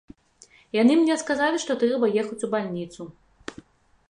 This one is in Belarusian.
Яны мне сказалі, што трэба ехаць у бальніцу.